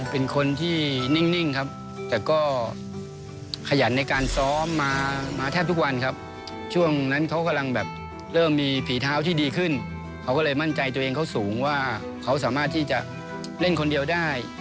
เป็นคนที่นิ่งครับแต่ก็ขยันในการซ้อมมาแทบทุกวันครับช่วงนั้นเขากำลังแบบเริ่มมีฝีเท้าที่ดีขึ้นเขาก็เลยมั่นใจตัวเองเขาสูงว่าเขาสามารถที่จะเล่นคนเดียวได้